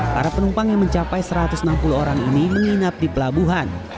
para penumpang yang mencapai satu ratus enam puluh orang ini menginap di pelabuhan